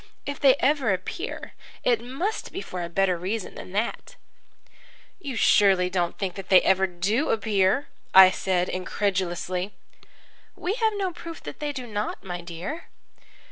If they ever appear, it must be for a better reason than that." "You don't surely think that they ever do appear?" I said incredulously. "We have no proof that they do not, my dear."